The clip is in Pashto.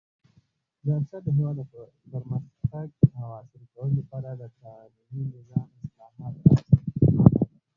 ظاهرشاه د هېواد د پرمختګ او عصري کولو لپاره د قانوني نظام اصلاحات راوستل.